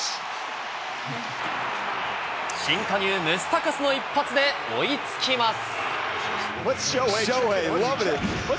新加入、ムスタカスの一発で追いつきます。